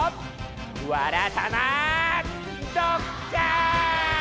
「わらたまドッカン」！